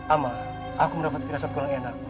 amal aku mendapatkan rasa kurang enak